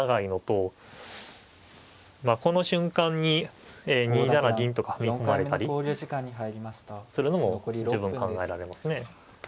この瞬間に２七銀とか踏み込まれたりするのも十分考えられますね。